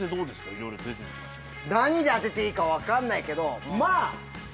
いろいろ出てきましたけど。